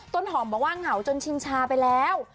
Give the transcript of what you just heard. ต้นหอมบอกว่าเหงาจนชินชาไปแล้ว